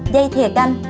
dây thìa canh